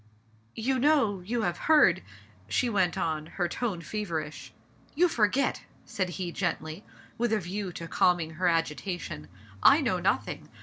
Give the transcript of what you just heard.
"You know, you have heard," she went on, her tone feverish. "You forget ! said he gently, with a view to calming her agitation. "I know nothing.